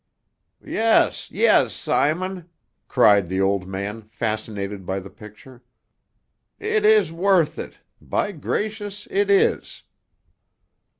"Yes, yes, Simon!" cried the old man, fascinated by the picture. "It is worth it by gracious, it is!"